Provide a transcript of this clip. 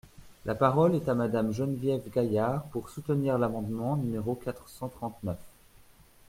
La parole est à Madame Geneviève Gaillard, pour soutenir l’amendement numéro quatre cent trente-neuf.